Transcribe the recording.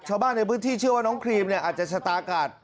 ชาวบ้านในพื้นที่เชื่อว่าน้องครีมเนี่ยอาจจะชะตากาศ